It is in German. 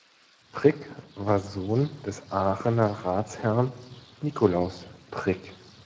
Prick war Sohn des Aachener Ratsherrn Nikolaus Prick.